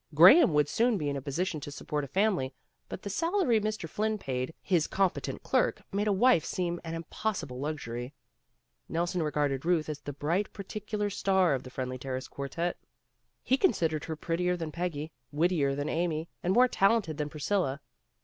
Graham THE MOST WONDERFUL THING 141 would soon be in a position to support a family, but the salary Mr. Flynn paid his competent clerk made a wife seem an impossible luxury. Nelson regarded Ruth as the bright particular star of the Friendly Terrace quartette. He considered her prettier than Peggy, wittier than Amy, and more talented than Priscilla.